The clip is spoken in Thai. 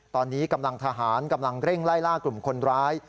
ตอนนี้กำลังทหารกำลังเร่งไล่ล่ากลุ่มคนร้าย